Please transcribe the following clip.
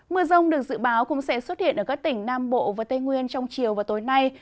mưa rông được dự báo cũng sẽ xuất hiện ở các tỉnh nam bộ và tây nguyên trong chiều và tối nay